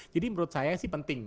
jadi menurut saya sih penting